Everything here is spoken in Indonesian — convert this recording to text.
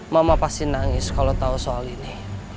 mama pasti nangis kalau tahu soal ini